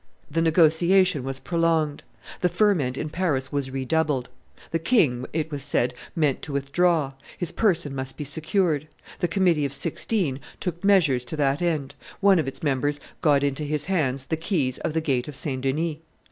The negotiation was prolonged; the ferment in Paris was redoubled; the king, it was said, meant to withdraw; his person must be secured; the Committee of Sixteen took measures to that end; one of its members got into his hands the keys of the gate of St. Denis.